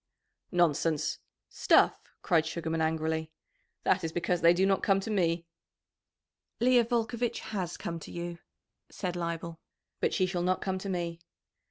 "Nonsense! Stuff!" cried Sugarman angrily. "That is because they do not come to me." "Leah Volcovitch has come to you," said Leibel, "but she shall not come to me."